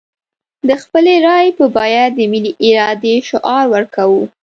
د خپلې رايې په بيه د ملي ارادې شعار ورکوو.